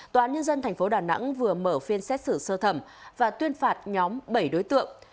tòa án nhân dân tp đà nẵng vừa mở phiên xét xử sơ thẩm và tuyên phạt nhóm bảy đối tượng